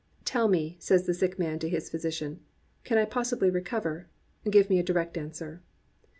"Tell me," says the sick man to his physician, "can I possibly recover ? Give me a direct answer."